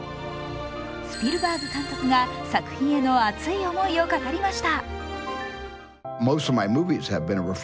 スピルバーグ監督が作品への熱い思いを語りました。